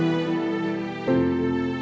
kita bisa berada di sini